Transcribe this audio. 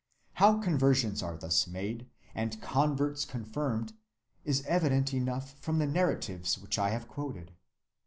How conversions are thus made, and converts confirmed, is evident enough from the narratives which I have quoted.